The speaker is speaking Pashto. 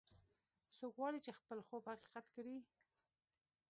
څوک غواړي چې خپل خوب حقیقت کړي